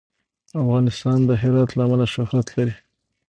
افغانستان د هرات له امله شهرت لري.